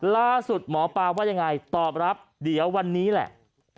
ล่าสุดหมอปลาว่ายังไงตอบรับเดี๋ยววันนี้แหละ